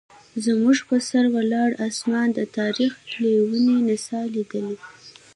زموږ پر سر ولاړ اسمان د تاریخ لیونۍ نڅا لیدلې.